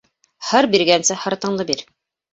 Һыр биргәнсе һыртыңды бир.